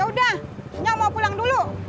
yaudah nyak mau pulang dulu